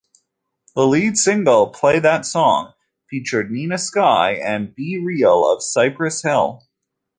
The lead single "Play That Song" featured Nina Sky and B-Real of Cypress Hill.